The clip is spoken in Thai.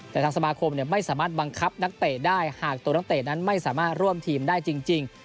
แต่ทางสมาคมไม่สามารถบังคับนักเตะได้หากตัวนักเตะนั้นไม่สามารถร่วมทีมได้จริง